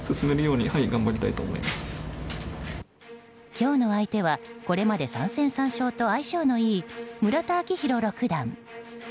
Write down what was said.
今日の相手はこれまで３戦３勝と相性のいい村田顕弘六段。